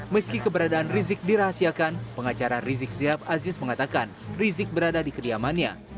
meski keberadaan rizik dirahasiakan pengacara rizik sihab aziz mengatakan rizik berada di kediamannya